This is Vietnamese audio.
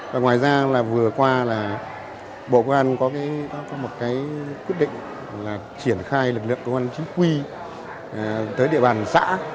và ngoài ra là vừa qua là bộ công an có một cái quyết định là triển khai lực lượng công an chính quy tới địa bàn xã